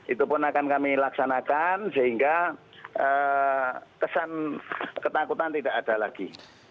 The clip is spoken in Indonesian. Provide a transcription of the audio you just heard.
itu pun akan kami laksanakan sehingga kesan ketakutan tidak ada lagi